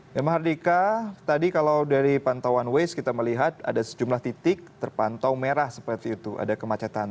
ya mahardika tadi kalau dari pantauan waze kita melihat ada sejumlah titik terpantau merah seperti itu ada kemacetan